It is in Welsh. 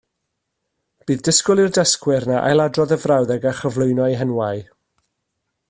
Bydd disgwyl i'r dysgwyr yna ailadrodd y frawddeg a chyflwyno eu henwau